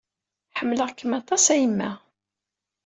Ḥemmleɣ-kem aṭas a yemma!